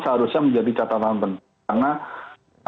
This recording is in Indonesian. seharusnya menjadi catatan penting karena